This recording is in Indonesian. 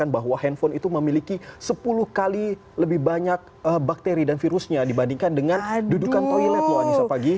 bahwa handphone itu memiliki sepuluh kali lebih banyak bakteri dan virusnya dibandingkan dengan dudukan toilet loh anissa pagi